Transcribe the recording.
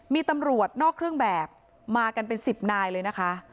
มีตำรวจนอกเครื่องแบบมากันเป็น๑๐นายเลยนะคะ